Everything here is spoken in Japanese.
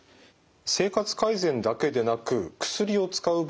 生活改善だけでなく薬を使う場合もありますか？